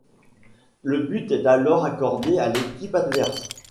Le but est alors accordé à l'équipe adverse.